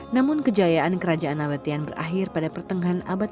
namun kejayaan kerajaan nabatean berakhir pada pertengahan abad abadnya